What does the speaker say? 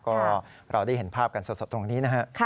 ก็เราได้เห็นภาพกันสดตรงนี้นะฮะ